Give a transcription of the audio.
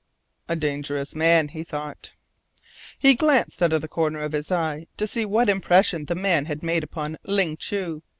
"A dangerous man," he thought. He glanced out of the corner of his eye to see what impression the man had made upon Ling Chu.